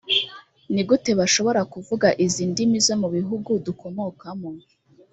ni gute bashobora kuvuga izi ndimi zo mu bihugu dukomokamo?